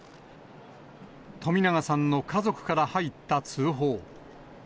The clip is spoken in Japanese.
冨永さんの家族から入った通報。